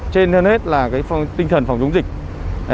trên hết là tinh thần phòng chống dịch